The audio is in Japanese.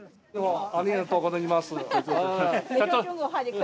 ありがとうございます。